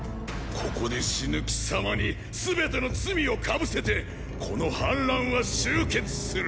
ここで死ぬ貴様に全ての罪を被せてこの反乱は終結する！